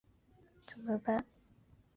圣西吉斯蒙人口变化图示